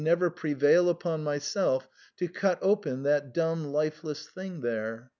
never prevail upon myself to cut open that dumb life less thing there.